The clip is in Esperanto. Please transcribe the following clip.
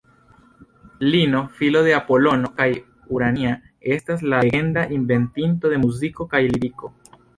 Lino filo de Apolono kaj Urania estas la legenda inventinto de muziko kaj liriko.